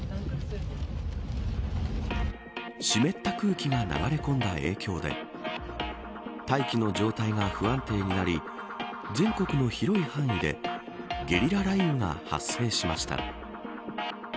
湿った空気が流れ込んだ影響で大気の状態が不安定になり全国の広い範囲でゲリラ雷雨が発生しました。